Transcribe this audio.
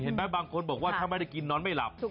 บางคนบอกว่าถ้าไม่ได้กินนอนไม่หลับ